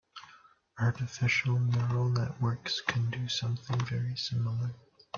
Artificial neural networks can do something very similar.